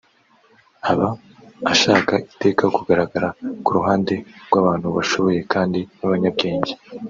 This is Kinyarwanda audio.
aba ashaka iteka kugaragara ku ruhande rw’abantu bashoboye kandi b’abanyabwenge